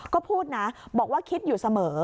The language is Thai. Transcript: ก็พูดนะบอกว่าคิดอยู่เสมอ